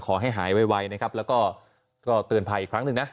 ขอให้หายไวนะครับแล้วก็เตือนภัยอีกครั้งหนึ่งนะ